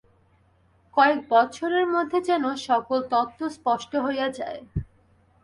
কয়েক বৎসরের মধ্যে যেন সকল তত্ত্ব স্পষ্ট হইয়া যায়।